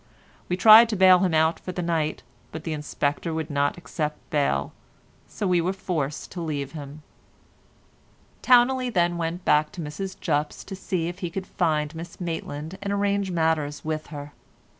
We tried to bail him out for the night, but the Inspector would not accept bail, so we were forced to leave him. Towneley then went back to Mrs Jupp's to see if he could find Miss Maitland and arrange matters with her.